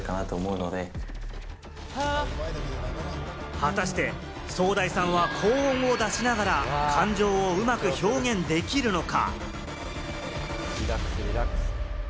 果たしてソウダイさんは高音を出しながら感情をうまく表現できるのか？